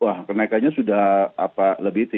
wah kenaikannya sudah lebih